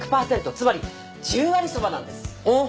つまり十割そばなんですうう